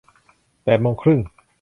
แปดโมงครึ่ง